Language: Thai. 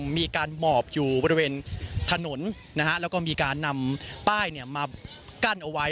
มีการหมอบอยู่บริเวณถนนแล้วก็มีการนำป้ายมากั้นเอาไว้